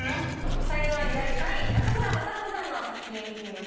才能アリ第３位勝村政信さんの作品を見てみましょう。